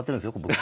僕。